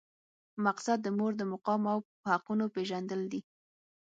مقصد د مور د مقام او حقونو پېژندل دي.